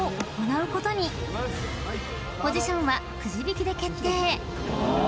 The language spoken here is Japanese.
［ポジションはくじ引きで決定］